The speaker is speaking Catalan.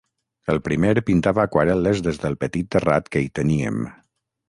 El primer pintava aquarel·les des del petit terrat que hi teníem.